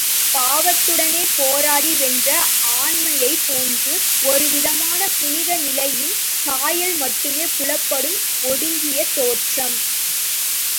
பாவத்துடனே போராடி வென்ற ஆண்மையைப் போன்று ஒருவிதமான புனித நிலையின் சாயல் மட்டுமே புலப்படும் ஒடுங்கிய தோற்றம்!